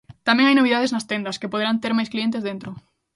Tamén hai novidades nas tendas, que poderán ter máis clientes dentro.